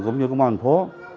cũng như công an thành phố